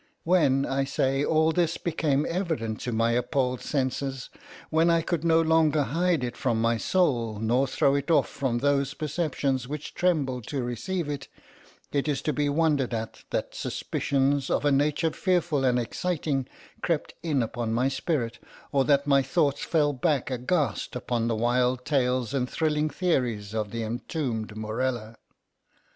When, I say, all this became evident to my appalled senses—when I could no longer hide it from my soul, nor throw it off from those perceptions which trembled to receive it—is it to be wondered at that suspicions, of a nature fearful and exciting, crept in upon my spirit, or that my thoughts fell back aghast upon the wild tales and thrilling theories of the entombed Morella?